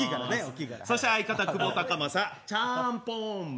そして相方、久保孝真ちゃんぽん麺！